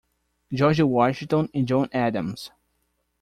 George Washington e John Adams.